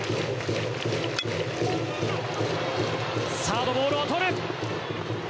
サード、ボールをとる。